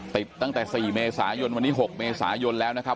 ติดตั้งแต่๔เมษายนวันนี้๖เมษายนแล้วนะครับ